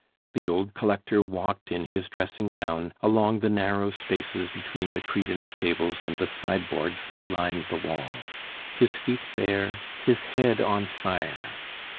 The old collector walked in his dressing gown along the narrow spaces between the credence tables and the sideboards that lined the wall; his feet bare, his head on fire.